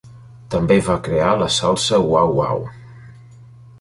També va crear la salsa Wow-Wow.